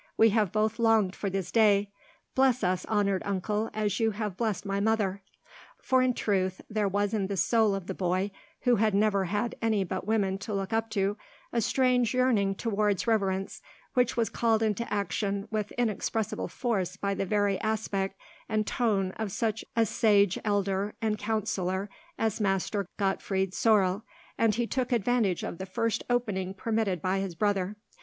We have both longed for this day. Bless us, honoured uncle, as you have blessed my mother." For in truth there was in the soul of the boy, who had never had any but women to look up to, a strange yearning towards reverence, which was called into action with inexpressible force by the very aspect and tone of such a sage elder and counsellor as Master Gottfried Sorel, and he took advantage of the first opening permitted by his brother.